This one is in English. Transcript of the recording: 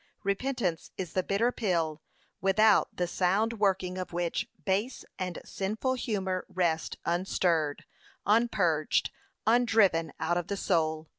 Repentance is the bitter pill, without the sound working of which, base and sinful humour rest unstirred, unpurged, undriven out of the soul.'